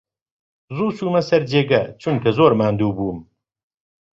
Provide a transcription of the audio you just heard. زوو چوومە سەر جێگا، چونکە زۆر ماندوو بووم.